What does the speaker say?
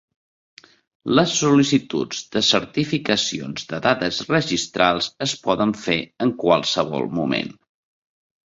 Les sol·licituds de certificacions de dades registrals es poden fer en qualsevol moment.